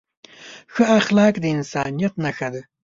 ښه اخلاق د انسانیت نښه ده.